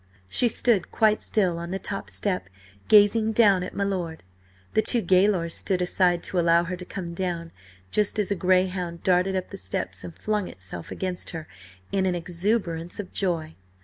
She stood quite still on the top step, gazing down at my lord. The two gaolers stood aside to allow her to come down, just as a greyhound darted up the steps and flung itself against her in an exuberance of joy.